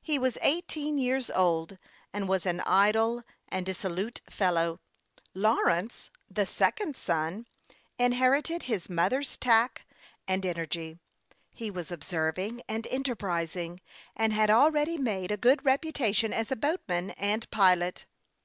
He was eighteen years old, and was an idle and dissolute fellow. Law rence, the second son, inherited his mother's tact and energy. He was observing and enterprising, and had already made a good reputation as a boat man and pilot.